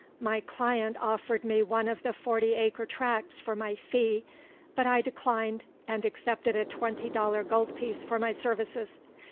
My client offered me one of the forty acre tracts for my fee, but I declined, and accepted a twenty dollar gold piece for my services.